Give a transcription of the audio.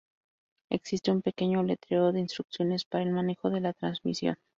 Existe un pequeño letrero de instrucciones para el manejo de la transmisión.